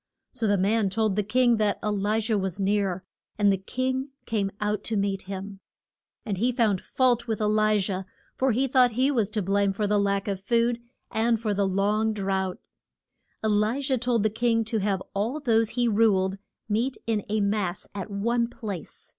So the man told the king that E li jah was near, and the king came out to meet him. And he found fault with E li jah, for he thought he was to blame for the lack of food, and for the long drouth. E li jah told the king to have all those he ruled meet in a mass at one place.